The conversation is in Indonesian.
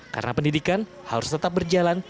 karena pendidikan harus tetap berjalan